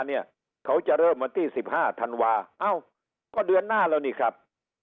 เนี่ยเขาจะเริ่มวันที่๑๕ธันวาเอ้าก็เดือนหน้าแล้วนี่ครับ